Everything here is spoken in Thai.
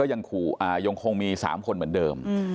ยังคงมี๓คนเหมือนเดิม